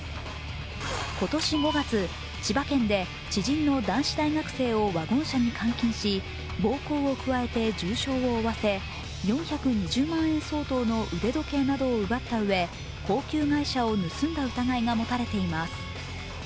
今年５月、千葉県で知人の男子大学生をワゴン車に監禁し暴行を加えて重傷を負わせ４２０万円相当の腕時計などを奪ったうえ、高級外車を盗んだ疑いが持たれています。